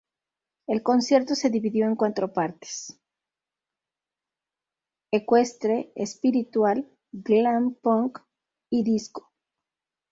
El concierto se dividió en cuatro partes: Ecuestre, Espiritual, "Glam"-"Punk" y Disco.